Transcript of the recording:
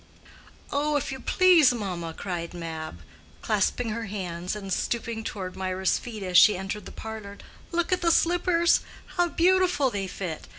"Oh, if you please, mamma?" cried Mab, clasping her hands and stooping toward Mirah's feet, as she entered the parlor; "look at the slippers, how beautiful they fit!